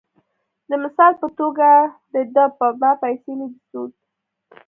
د مثال پۀ توګه د دۀ پۀ ما پېسې نۀ دي سود ،